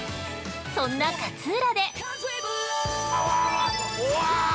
そんな勝浦で。